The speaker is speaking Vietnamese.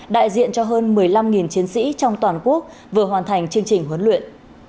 đại diện cho hơn một mươi năm chiến sĩ trong toàn quốc vừa hoàn thành chương trình huấn luyện